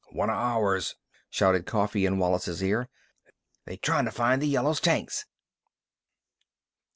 "One o' ours," shouted Coffee in Wallis' ear. "They' tryin' to find th' Yellows' tanks!"